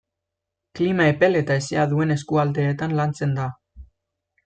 Klima epel eta hezea duten eskualdeetan lantzen da.